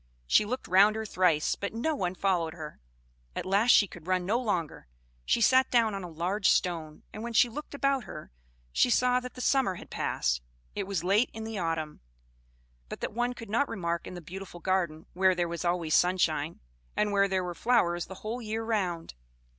She looked round her thrice, but no one followed her. At last she could run no longer; she sat down on a large stone, and when she looked about her, she saw that the summer had passed; it was late in the autumn, but that one could not remark in the beautiful garden, where there was always sunshine, and where there were flowers the whole year round.